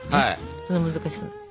そんな難しくない。